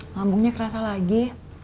lambungnya kerasa lagi